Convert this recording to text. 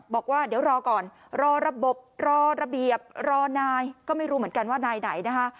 บอกว่าเดี๋ยวรอก่อนรอระบบรอระเบียบรอนายก็ไม่รู้เหมือนกันว่านายไหนนะคะ